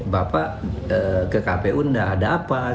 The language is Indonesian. bapak ke kpu nggak ada apa apa